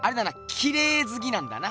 きれいずきなんだな。